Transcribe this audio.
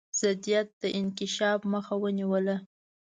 ضدیت د انکشاف مخه ونیوله.